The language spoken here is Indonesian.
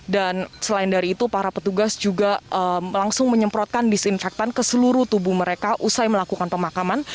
dan selain dari itu para petugas juga langsung menyemprotkan disinfektan ke seluruh tubuh mereka usai melakukan pemakaman